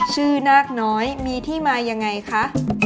ชื่อนักน้อยมีที่มายังไงคะ